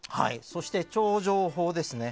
そして頂上法ですね。